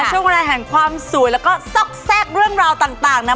ช่วงเวลาแห่งความสวยแล้วก็ซอกแทรกเรื่องราวต่างนะ